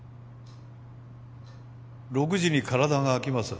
６時に体が空きます。